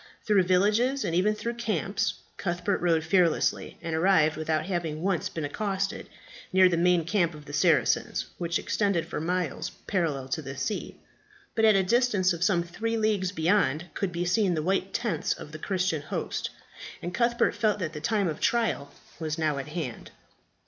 Through villages, and even through camps, Cuthbert rode fearlessly, and arrived, without having once been accosted, near the main camp of the Saracens, which extended for miles parallel to the sea. But at a distance of some three leagues beyond, could be seen the white tents of the Christian host, and Cuthbert felt that the time of trial was now at hand.